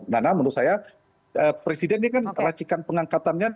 nana menurut saya presiden ini kan racikan pengangkatannya